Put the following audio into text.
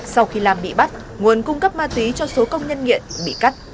sau khi lam bị bắt nguồn cung cấp ma túy cho số công nhân nghiện bị cắt